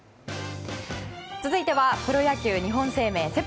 続いてはプロ野球日本生命セ